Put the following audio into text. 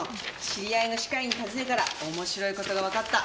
知り合いの歯科医に尋ねたら面白いことがわかった。